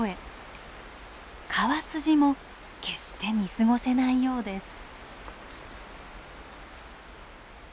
川筋も決して見過ごせないようです。